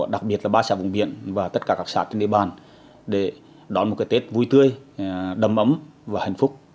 đặc biệt là ba xã vùng biển và tất cả các xã trên địa bàn để đón một cái tết vui tươi đầm ấm và hạnh phúc